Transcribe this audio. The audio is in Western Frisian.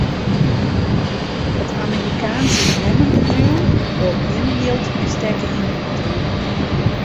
It Amerikaanske memmebedriuw wol gjin jild mear stekke yn it bedriuw.